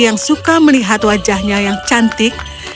yang suka melihat wajahnya yang cantik